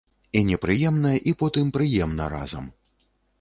І непрыемна і потым прыемна разам.